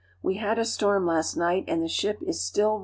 We had a storm last night, and the ship is stil!